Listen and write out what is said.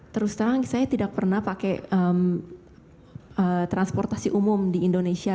terus terang saya tidak pernah pakai transportasi umum di indonesia